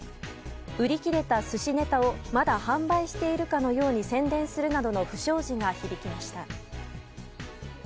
売り切れた寿司ネタをまだ販売しているかのように宣伝するなどの不祥事が響きました。